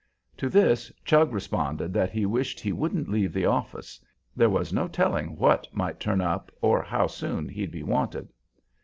To this "Chug" responded that he wished he wouldn't leave the office. There was no telling what might turn up or how soon he'd be wanted.